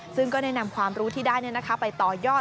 ซึ่งก็ได้นำความรู้ที่ได้ไปต่อยอด